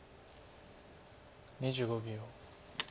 ２５秒。